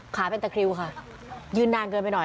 ขาเป็นตะคริวค่ะยืนนานเกินไปหน่อย